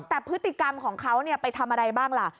แต่พฤติกรรมของเขาไปทำอะไรบ้างล่ะ